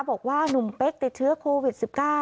บอกว่าหนุ่มเป๊กติดเชื้อโควิด๑๙